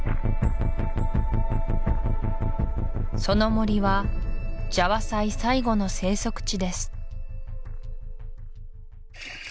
その森はジャワサイ最後の生息地です